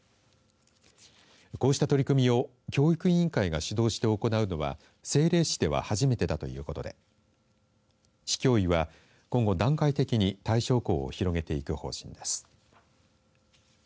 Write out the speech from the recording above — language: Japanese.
こうした取り組みを教育委員会が主導して行うのは政令市では初めてだということで市教委は今後、段階的に対象校を広げていく方針です。